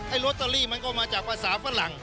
ลอตเตอรี่มันก็มาจากภาษาฝรั่ง